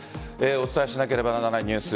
お伝えしなければならないニュース